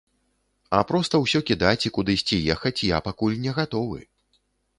А проста ўсё кідаць і кудысьці ехаць я пакуль не гатовы.